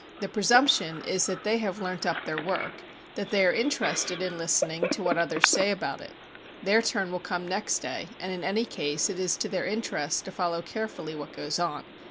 The presumption is that they have learnt up their work, that they are interested in listening to what others say about it; their turn will come next day, and in any case it is to their interest to follow carefully what goes on.